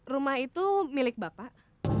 rumah itu milik bapak